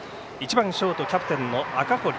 １番ショート、キャプテンの赤堀。